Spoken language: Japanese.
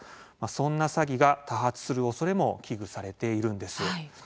そんな詐欺が多発するおそれも危惧されているんです。